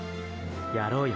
やろうよ